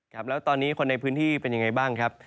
ครับแล้วตอนนี้คนในพื้นที่เป็นยังไงบ้างครับ